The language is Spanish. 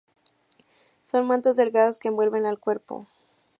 Son mantas delgadas que envuelven al cuerpo.